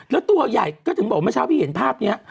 แล้วตัวใหญ่ก็ถึงบอกเมื่อเช้าพี่เห็นภาพนี้